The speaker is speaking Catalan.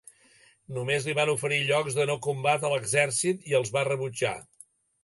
Només li van oferir llocs de no combat a l'exèrcit, i els va rebutjar.